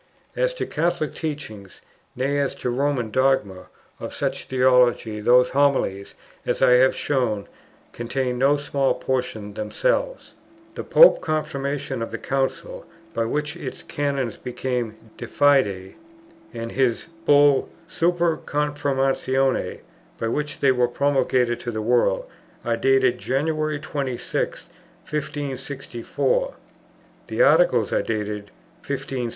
As to Catholic teaching, nay as to Roman dogma, of such theology those Homilies, as I have shown, contained no small portion themselves. The Pope's Confirmation of the Council, by which its Canons became de fide, and his Bull super confirmatione by which they were promulgated to the world, are dated January 26, 1564. The Articles are dated 1562. 5.